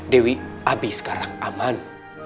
dewi abi sekarang aman